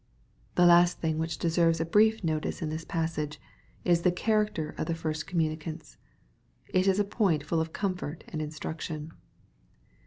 The last thing which deserves a brief notice in this passage, is the character of the first communicants. It is a point full of comfort and instruction.